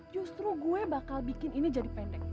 justru gue bakal bikin ini jadi pendek